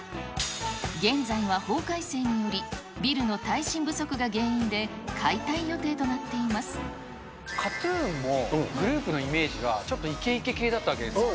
現在は法改正により、ビルの耐震不足が原因で、解体予定となってＫＡＴーＴＵＮもグループのイメージが、ちょっとイケイケ系だったわけですよ。